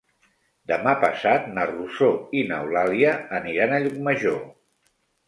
Demà passat na Rosó i n'Eulàlia aniran a Llucmajor.